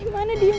di mana dia